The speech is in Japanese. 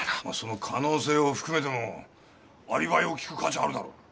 まあその可能性を含めてのアリバイを聞く価値あるだろ。